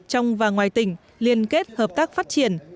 trong và ngoài tỉnh liên kết hợp tác phát triển